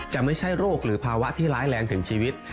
ไม่ใช่โรคหรือภาวะที่ร้ายแรงถึงชีวิต